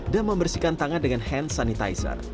dan membersihkan tangan dengan hand sanitizer